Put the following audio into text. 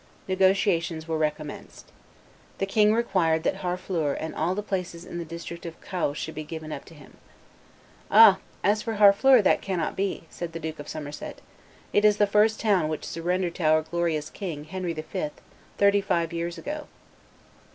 Negotiations were recommenced. The king required that Harfleur and all the places in the district of Caux should be given up to him. "Ah! as for Harfleur, that cannot be," said the Duke of Somerset; "it is the first town which surrendered to our glorious king, Henry V., thirty five years ago."